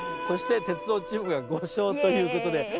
そして鉄道チームが５勝ということで。